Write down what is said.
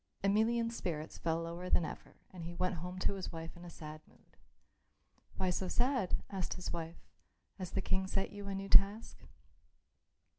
Emelian's spirits fell lower than ever and he went home to his wife in a sad mood. "Why so sad?" asked his wife. "Has the King set you a new task?"